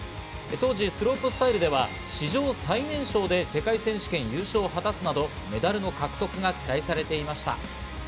当時、スロープスタイルでは史上最年少で世界選手権優勝を果たすなどメダルの獲得が期待されていました。